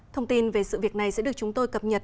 thông tin về sự việc này sẽ được chúng tôi cập nhật